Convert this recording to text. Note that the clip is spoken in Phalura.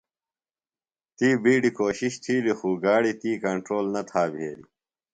تی بِیڈیۡ کوشِش تِھیلیۡ خوۡ گاڑیۡ تی کنٹرول نہ تھا بھیلیۡ۔